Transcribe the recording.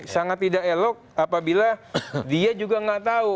sangat tidak elok apabila dia juga nggak tahu